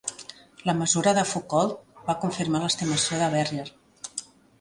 La mesura de Foucault va confirmar l'estimació de Verrier.